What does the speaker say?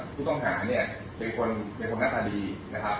ทุกต้องหาเป็นคนหน้าตาดีนะครับ